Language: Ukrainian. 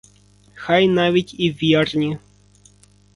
Хай навіть і вірні.